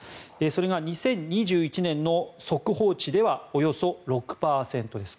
それが２０２１年の速報値ではおよそ６％です。